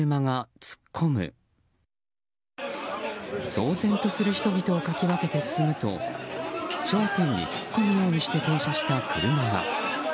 騒然とする人々をかき分けて進むと商店に突っ込むようにして停車した車が。